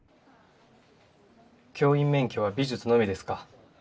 教員免許は美術のみですか。